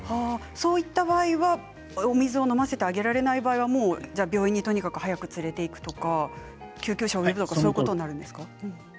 そういう場合はお水を飲ませてあげられない場合は病院にとにかく早く連れて行くとか救急車を呼ぶとかですか？